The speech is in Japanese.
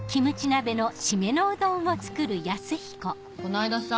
この間さ。